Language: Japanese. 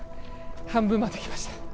半分まできました